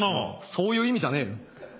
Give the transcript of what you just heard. そういう意味じゃねえよ。